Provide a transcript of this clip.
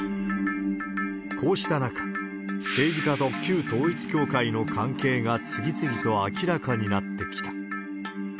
こうした中、政治家と旧統一教会の関係が次々と明らかになってきた。